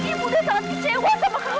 ibu udah sangat kecewa sama kamu